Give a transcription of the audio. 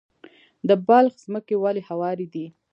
د بلخ ځمکې ولې هوارې دي؟